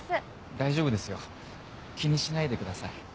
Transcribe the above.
大丈夫ですよ気にしないでください。